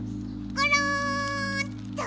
ゴロンっと！